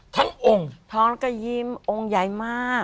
ท้องก็ยิ้มองค์ใหญ่มาก